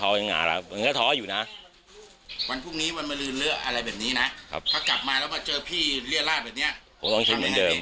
ถ้ากลับมาแล้วมาเจอพี่เลี่ยราชแบบนี้